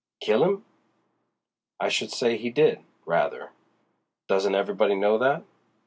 "Kill 'im? I should say he did, rather. Doesn't everybody know that?